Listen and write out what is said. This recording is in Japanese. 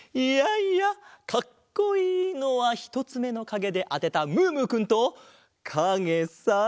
いやいやかっこいいのはひとつめのかげであてたムームーくんとかげさ。